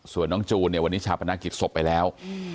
ส่วนน้องจูนชาปนากิจสมไปแล้ว